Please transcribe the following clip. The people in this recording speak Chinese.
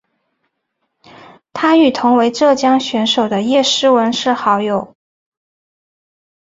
她与同为浙江选手的叶诗文是好友。